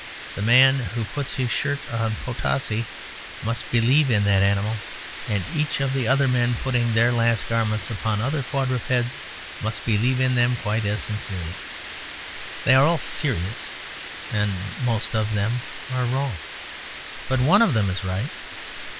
The man who puts his shirt on Potosi must believe in that animal, and each of the other men putting their last garments upon other quadrupeds must believe in them quite as sincerely. They are all serious, and most of them are wrong. But one of them is right.